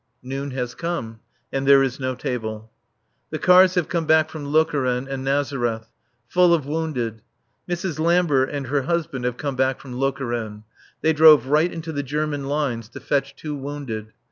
Noon has come; and there is no table. The cars have come back from Lokeren and Nazareth, full of wounded. Mrs. Lambert and her husband have come back from Lokeren. They drove right into the German lines to fetch two wounded.